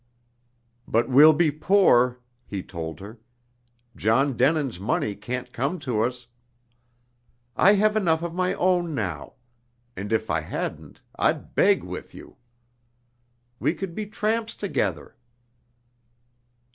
"But we'll be poor," he told her. "John Denin's money can't come to us " "I have enough of my own now. And if I hadn't, I'd beg with you. We could be tramps together."